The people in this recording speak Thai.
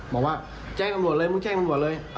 บอกว่าแจ้งตำรวจเลยมึงแจ้งตำรวจเลย